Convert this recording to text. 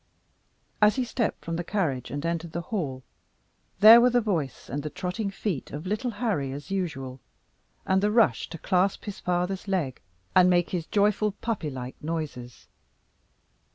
As he stepped from the carriage and entered the hall, there were the voice and the trotting feet of little Harry as usual, and the rush to clasp his father's leg and make his joyful puppy like noises.